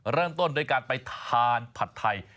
เริ่มต้นด้วยการไปทานผัดไทย